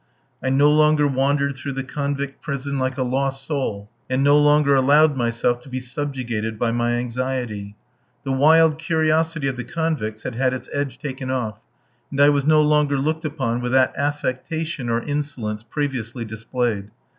I no longer wandered through the convict prison like a lost soul, and no longer allowed myself to be subjugated by my anxiety. The wild curiosity of the convicts had had its edge taken off, and I was no longer looked upon with that affectation or insolence previously displayed.